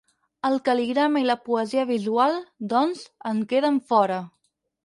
El cal·ligrama i la poesia visual, doncs, en queden fora.